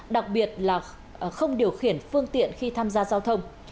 đặc biệt là không điều khiển phương tiện khi tham gia giao thông